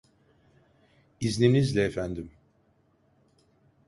İzninizle efendim.